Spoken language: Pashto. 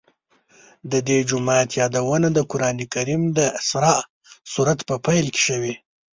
د دې جومات یادونه د قرآن کریم د اسراء سورت په پیل کې شوې.